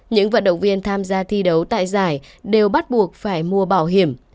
những vận động viên tham gia thi đấu tại giải đều bắt buộc phải mua bảo hiểm